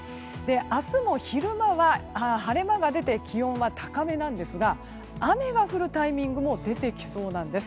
明日も昼間は晴れ間が出て気温は高めなんですが雨が降るタイミングも出てきそうなんです。